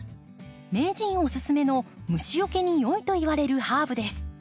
名人おすすめの虫よけによいといわれるハーブです。